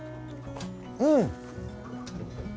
うん！